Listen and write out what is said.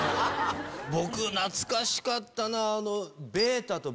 僕懐かしかったな。